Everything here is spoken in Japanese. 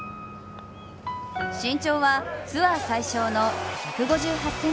身長はツアー最小の１５８ｃｍ。